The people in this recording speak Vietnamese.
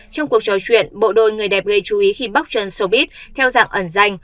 trong cuộc trò chuyện bộ đôi người đẹp gây chú ý khi bóc trần showbiz theo dạng ẩn danh